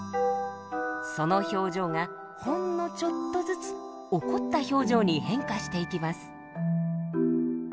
その表情がほんのちょっとずつ怒った表情に変化していきます。